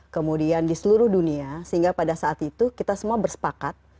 kemudian di seluruh dunia sehingga pada saat itu kita semua bersepakat